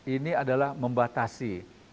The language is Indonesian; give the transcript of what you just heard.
ini adalah membatasi